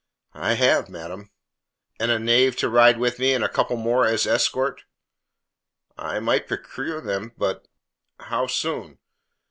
"I have, madam." "And a knave to ride with me, and a couple more as escort?" "I might procure them, but " "How soon?"